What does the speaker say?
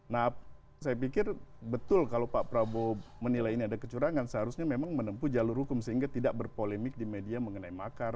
nah saya pikir betul kalau pak prabowo menilai ini ada kecurangan seharusnya memang menempuh jalur hukum sehingga tidak berpolemik di media mengenai makar